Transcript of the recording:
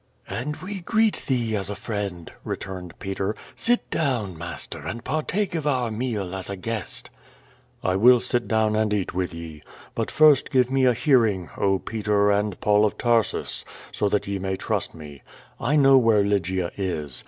( "And we greet thee as a friend," returned Peter. "Sit down, master, and partake of our meal as a guest." "I will sit down and eat with ye. But first give me a hear ing, oh, Peter and Paul of Tarsus, so that ye may trust me. I know where Lygia is.